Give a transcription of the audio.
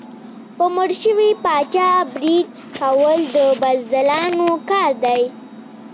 په مړ شوي پاچا برید کول د بزدلانو کار دی.